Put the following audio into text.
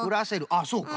あっそうか。